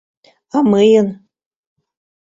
А мыйын...